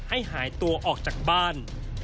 ให้หายตัวออกจากบ้าน